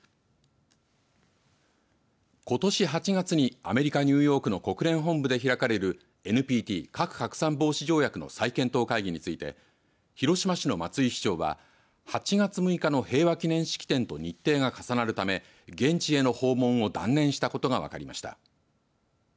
ことし８月にアメリカ、ニューヨークの国連本部で開かれるＮＰＴ＝核拡散防止条約の再検討会議について広島市の松井市長は８月６日の平和記念式典と日程が重なるため現地への訪問を断念したことが分かりました。